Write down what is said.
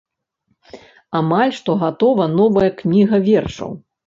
Амаль што гатова новая кніга вершаў.